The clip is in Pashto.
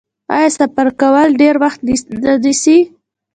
آیا سفر کول ډیر وخت نه نیسي؟